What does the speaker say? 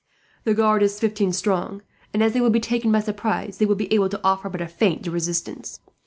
The guard is fifteen strong and, as they will be taken by surprise, they will be able to offer but a faint resistance.